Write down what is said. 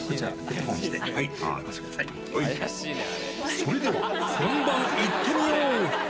それでは、本番いってみよう。